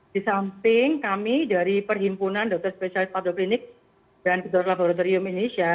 di samping kami dari perhimpunan dokter spesialis patoklinik dan dokter laboratorium indonesia